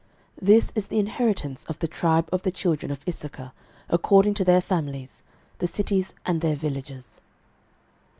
06:019:023 This is the inheritance of the tribe of the children of Issachar according to their families, the cities and their villages.